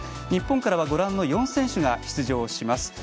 日本からは４選手が出場します。